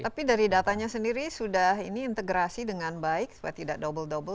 tapi dari datanya sendiri sudah ini integrasi dengan baik supaya tidak double double